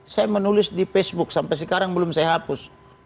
saya menulis di facebook sampai sekarang belum saya hapus